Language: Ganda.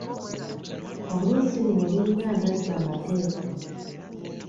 Oluzzi luno lulina amazzi amateefu.